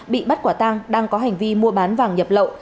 bị bắt quả tang đang có hành vi mua bán vàng nhập lậu